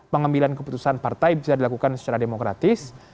pengambilan keputusan partai bisa dilakukan secara demokratis